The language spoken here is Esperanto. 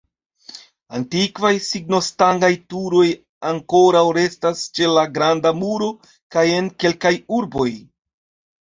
Antikvaj signostangaj turoj ankoraŭ restas ĉe la Granda Muro kaj en kelkaj urboj.